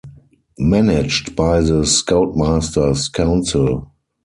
Managed by the Scoutmasters' Council.